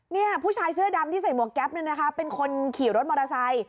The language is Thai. เนี่ยผู้ชายเสื้อดำที่ใส่หมวกแก๊ปเนี่ยนะคะเป็นคนขี่รถมอเตอร์ไซค์